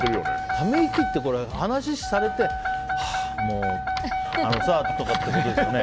ため息って、話をされてはあ、もうあのさとかってことですよね。